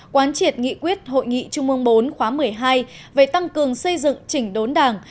quán triệt nghị quyết hội nghị trung ương bốn khóa một mươi hai về tăng cường xây dựng chỉnh đốn đảng